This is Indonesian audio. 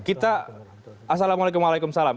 kita assalamualaikum waalaikumsalam